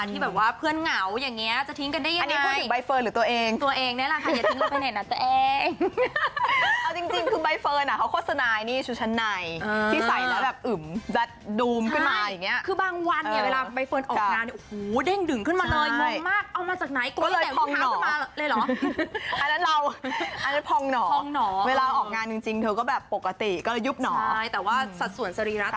นี่ชุดชะไนที่ใสลาแบบอึมจัดดูมขึ้นมาอย่างเงี้ย